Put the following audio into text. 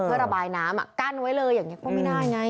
เพื่อระบายน้ำกั้นไว้เลยอย่างนี้ก็ไม่ได้ไง